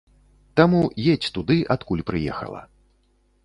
Таму, едзь туды, адкуль прыехала.